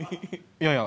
いやいや